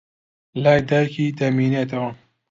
لای دایکی دەمێنێتەوە.